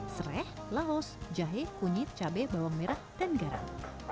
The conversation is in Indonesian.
serai laos jahe kunyit cabai bawang merah dan garam